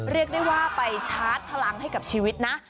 เรียกได้ว่าไปชาร์จพลังให้กับชีวิตนะ